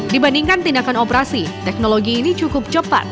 dibandingkan tindakan operasi teknologi ini cukup cepat